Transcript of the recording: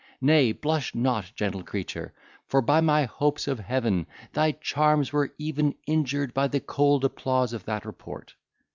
Nay, blush not, gentle creature! for by my hopes of heaven! thy charms were even injured by the cold applause of that report.